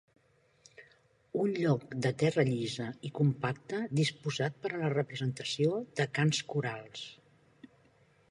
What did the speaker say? Un lloc de terra llisa i compacta disposat per a la representació de cants corals.